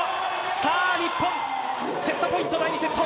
さぁ日本、セットポイント、第２セット。